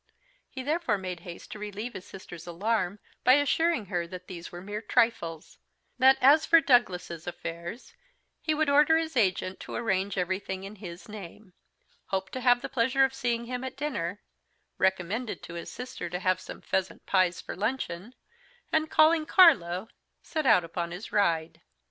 _He therefore made haste to relieve his sister's alarm by assuring her that these were mere trifles; that, as for Douglas's affairs, he would order his agent to arrange everything in his name; hoped to have the pleasure of seeing him at dinner; recommended to his sister to have some pheasant pies for luncheon; and, calling Carlo, set out upon his ride.